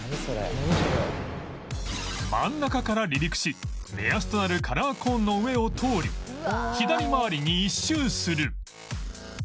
真ん中から離陸し目安となるカラーコーンの上を通り左回りに１周する